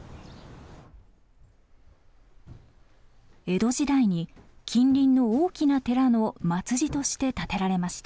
江戸時代に近隣の大きな寺の末寺として建てられました。